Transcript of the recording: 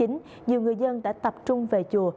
nhiều người dân đã tập trung về chùa